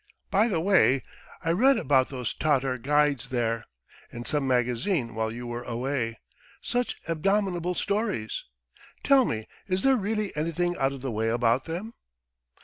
"By the way, I read about those Tatar guides there, in some magazine while you were away .... such abominable stories! Tell me is there really anything out of the way about them?"